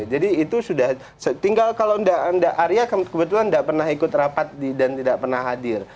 jadi itu sudah tinggal kalau anda arya kebetulan nggak pernah ikut rapat dan tidak pernah hadir